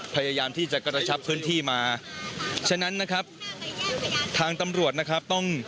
พยายามที่จะกระชับพื้นที่มาฉะนั้นนะครับ